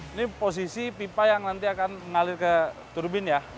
ini posisi pipa yang nanti akan mengalir ke turbin ya